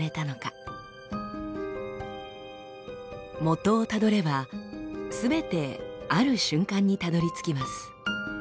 もとをたどればすべてある瞬間にたどりつきます。